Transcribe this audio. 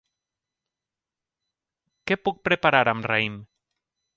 Què puc preparar amb raïm?